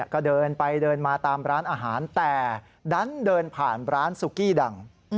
ก็เดินไปเดินมาตามร้านอาหารแต่ดันเดินผ่านร้านซุกี้ดัง